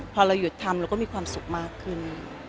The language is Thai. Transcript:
พอเราหยุดทำเราก็มีความสุขมากขึ้น